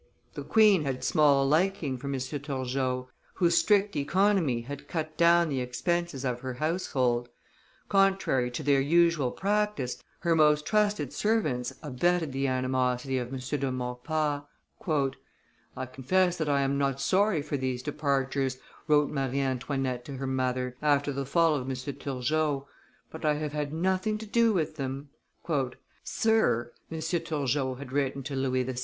The queen had small liking for M. Turgot, whose strict economy had cut down the expenses of her household; contrary to their usual practice, her most trusted servants abetted the animosity of M. de Maurepas. "I confess that I am not sorry for these departures," wrote Marie Antoinette to her mother, after the fall of M. Turgot, "but I have had nothing to do with them." "Sir," M. Turgot had written to Louis XVI.